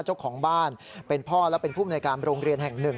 เจ้าของบ้านเป็นพ่อและเป็นภูมิในการโรงเรียนแห่งหนึ่ง